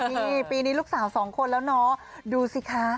นี่ปีนี้ลูกสาวสองคนแล้วเนาะดูสิคะ